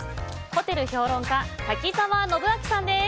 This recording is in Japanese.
ホテル評論家瀧澤伸秋さんです。